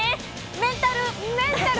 メンタル！